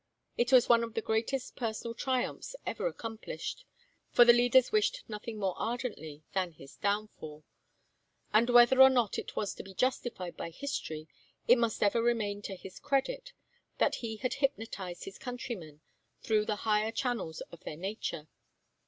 It was one of the greatest personal triumphs ever accomplished for the leaders wished nothing more ardently than his downfall and whether or not it was to be justified by history, it must ever remain to his credit that he had hypnotized his countrymen through the higher channels of their nature.